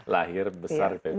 lahir besar di payakumbu